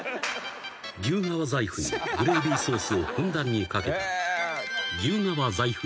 ［牛革財布にグレイビーソースをふんだんに掛けた］